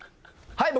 はい！